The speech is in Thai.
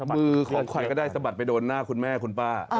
มือของใครก็ได้สะบัดไปโดนหน้าคุณแม่คุณป้า